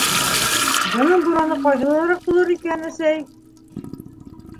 Бының бураны ҡайһылайыраҡ булыр икән, әсәй?!